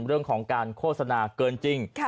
เรื่องของการโฆษณาเกินจริง